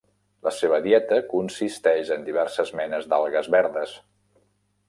La seva dieta consisteix en diverses menes d'algues verdes.